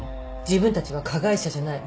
自分たちは加害者じゃない。